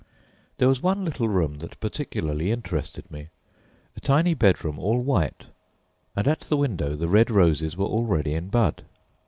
There was one little room that particularly interested me, a tiny bedroom all white, and at the window the red roses were already in bud.